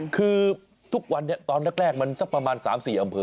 คือทุกวันนี้ตอนแรกมันสักประมาณ๓๔อำเภอ